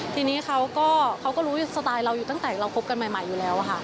ทีนี้เขาก็รู้สไตล์เราอยู่ตั้งแต่เราคบกันใหม่อยู่แล้วค่ะ